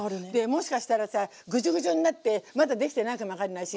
もしかしたらさグチュグチュになってまだできてないかも分かんないし。